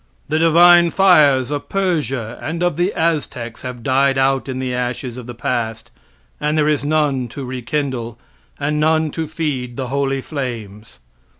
The divine fires of Persia and of the Aztecs have died out in the ashes of the past, and there is none to rekindle, and none to feed the holy flames.